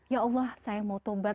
ya allah saya mau tombak